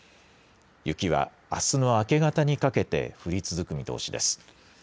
雪は、あすの明け方にかけて降り続く見通しです。